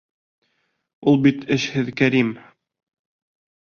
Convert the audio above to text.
Ул бит эшһеҙ Кәрим.